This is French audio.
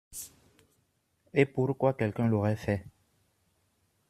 Et pourquoi quelqu’un l’aurait fait?